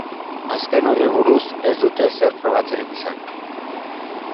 Azken horri buruz ez dute ezer frogatzerik izan.